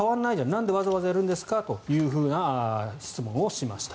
なんでわざわざやるのかという質問をしました。